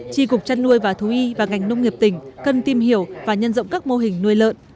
tri cục chăn nuôi và thú y và ngành nông nghiệp tỉnh cần tìm hiểu và nhân rộng các mô hình nuôi lợn